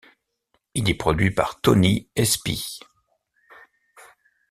Il est produit par Tony Espie.